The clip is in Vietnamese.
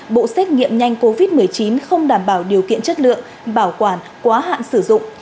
bộ xét nghiệm nhanh covid một mươi chín không đảm bảo điều kiện chất lượng bảo quản quá hạn sử dụng